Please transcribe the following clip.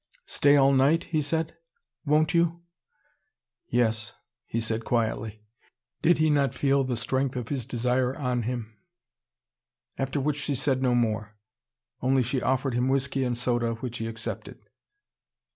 "Stay all night?" he said. "Won't you?" "Yes," he said quietly. Did he not feel the strength of his desire on him. After which she said no more. Only she offered him whiskey and soda, which he accepted.